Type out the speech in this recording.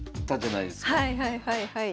はいはいはいはい。